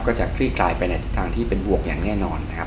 จะคลี่คลายไปในทิศทางที่เป็นบวกอย่างแน่นอนนะครับ